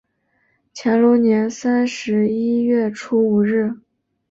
乾隆三年十一月初五日。